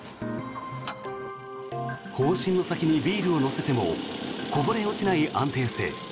砲身の先にビールを乗せてもこぼれ落ちない安定性。